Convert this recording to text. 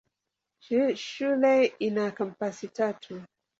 Shule ina kampasi tatu.